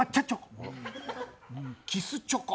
キスチョコ。